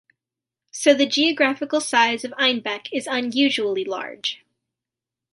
So the geographical size of Einbeck is unusually large.